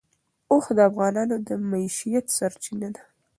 اوښ د افغانانو د معیشت سرچینه ده.